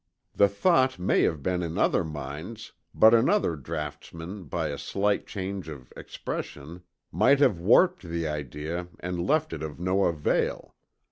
The thought may have been in other minds but another draughtsman by a slight change of expression might have warped the idea and left it of no avail.